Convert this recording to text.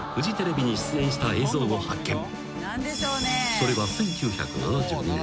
［それは１９７２年］